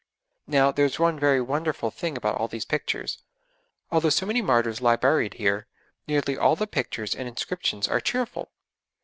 Now, there is one very wonderful thing about all these pictures: although so many martyrs lie buried here, nearly all the pictures and inscriptions are cheerful!